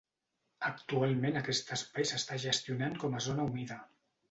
Actualment aquest espai s'està gestionant com a zona humida.